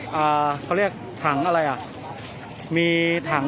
มันก็ไม่ต่างจากที่นี่นะครับ